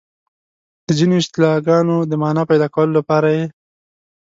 د ځینو اصطلاحګانو د مانا پيدا کولو لپاره یې